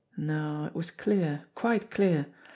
No, it was clear, quite clear!